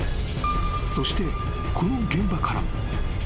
［そしてこの現場から］